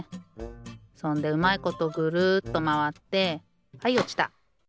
そんでうまいことぐるっとまわってはいおちた。